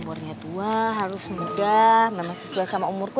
umurnya tua harus muda memang sesuai sama umurku